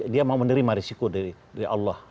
dia mau menerima risiko dari allah